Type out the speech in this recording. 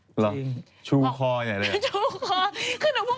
จริงชู้คออย่างนั้นเลยเหรอชู้คอ